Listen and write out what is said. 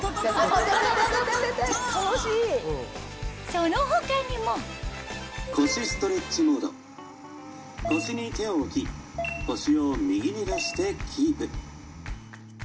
その他にも腰に手を置き腰を右に出してキープ。